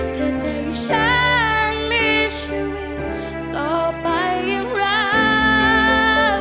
เธอจะยังช้างมีชีวิตต่อไปอย่างไร